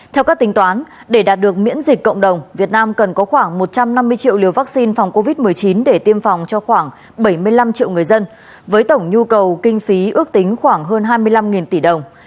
theo các tính toán để đạt được miễn dịch cộng đồng việt nam cần có khoảng một trăm năm mươi triệu liều vaccine phòng covid một mươi chín để tiêm phòng cho khoảng bảy mươi năm triệu người dân với tổng nhu cầu kinh phí ước tính khoảng hơn hai mươi năm tỷ đồng